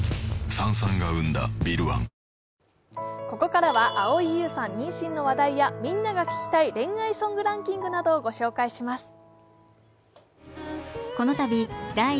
ここからは蒼井優さん妊娠の話題やみんなが聴きたい恋愛ソングランキングなどを御紹介します。